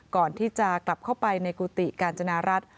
ก่อนที่จะกลับเข้าไปในกุฏิกาญจนารัฐ